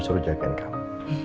suruh jagain kamu